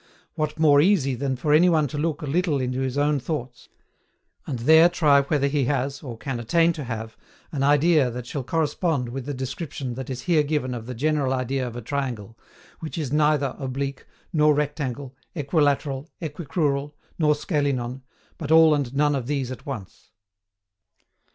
What more easy than for anyone to look a little into his own thoughts, and there try whether he has, or can attain to have, an idea that shall correspond with the description that is here given of the general idea of a triangle, which is NEITHER OBLIQUE NOR RECTANGLE, EQUILATERAL, EQUICRURAL NOR SCALENON, BUT ALL AND NONE OF THESE AT ONCE?